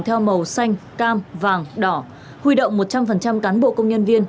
theo màu xanh cam vàng đỏ huy động một trăm linh cán bộ công nhân viên